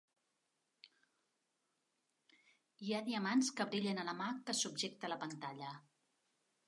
Hi ha diamants que brillen a la mà que subjecta la pantalla.